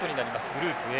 グループＡ。